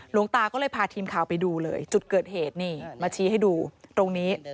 หลวงตาก็เลยพาทีมข่าวไปดูเลยจุดเกิดเหตุนี่มาชี้ให้ดูตรงนี้